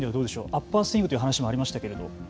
アッパースイングという話もありましたけれど。